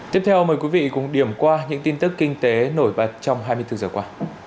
tiếp theo mời quý vị cùng điểm qua những tin tức kinh tế nổi bật trong hai mươi bốn giờ qua